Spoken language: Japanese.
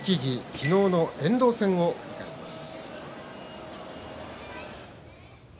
昨日の遠藤戦を振り返ります。